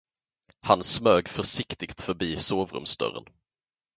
Han smög försiktigt förbi sovrumsdörren.